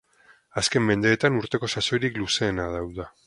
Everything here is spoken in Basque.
Azken mendeetan urteko sasoirik luzeena da uda.